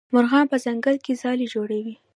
مرغان په ځنګل کې ځالې جوړوي.